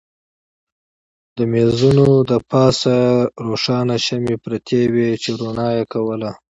د مېزونو له پاسه روښانه شمعې پرتې وې چې رڼا یې کوله.